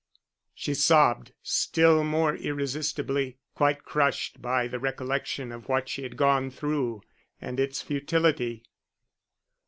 She sobbed still more irresistibly, quite crushed by the recollection of what she had gone through, and its futility.